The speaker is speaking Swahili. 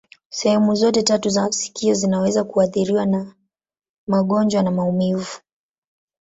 Sehemu zote tatu za sikio zinaweza kuathiriwa na magonjwa na maumivu.